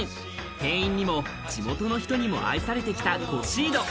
店員にも地元の人にも愛されてきたコシード。